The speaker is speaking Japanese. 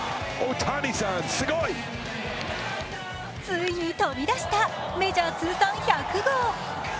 ついに飛び出したメジャー通算１００号。